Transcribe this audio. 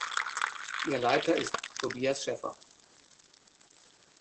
Ihr Leiter ist Tobias Scheffer.